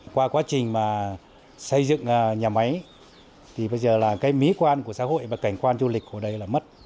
qua quá trình mà xây dựng nhà máy thì bây giờ là cái mỹ quan của xã hội và cảnh quan du lịch của đây là mất